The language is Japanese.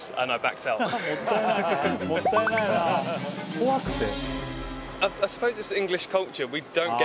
怖くて？